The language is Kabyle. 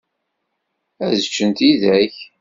Ad ččen tidak.